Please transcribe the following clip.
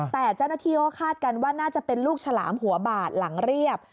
แต่เจ้าหน้าที่ก็คาดกันว่าน่าจะเป็นลูกฉลามหัวบาดหลังเรียบ